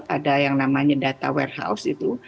ada yang namanya data warehouse itu